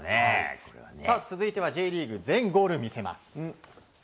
続いてはＪリーグ全ゴール見せます。